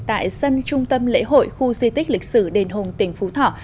tại dân trung tâm lễ hội khu di tích lịch sử đền hùng tỉnh phú thỏ